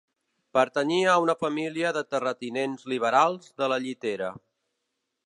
Pertanyia a una família de terratinents liberals de la Llitera.